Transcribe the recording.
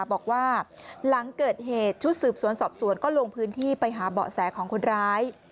บอกว่าหลังเกิดเหตุชุดสืบสวนสอบสวนก็ลงพื้นที่ไปหาเบาะแสของคนร้าย